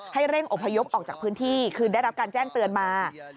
ให้เร่งอพยพออกจากพื้นที่คือได้รับการแจ้งเตือนมา